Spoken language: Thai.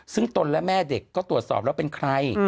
ซึ่งตนและแม่เด็กก็ตรวจสอบแล้วเป็นใคร